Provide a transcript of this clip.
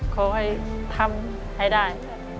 ขอให้ทำให้ได้